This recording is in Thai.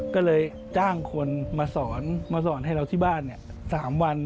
ก็เลยจ้างคนมาสอนมาสอนให้เราที่บ้าน๓วัน